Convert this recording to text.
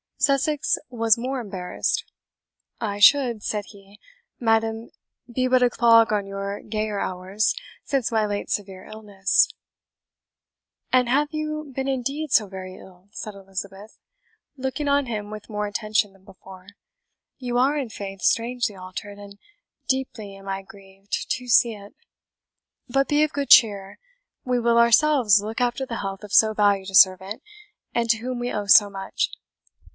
Sussex was more embarrassed. "I should," said he, "madam, be but a clog on your gayer hours, since my late severe illness." "And have you been indeed so very ill?" said Elizabeth, looking on him with more attention than before; "you are, in faith, strangely altered, and deeply am I grieved to see it. But be of good cheer we will ourselves look after the health of so valued a servant, and to whom we owe so much.